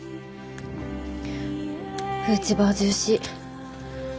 フーチバージューシー。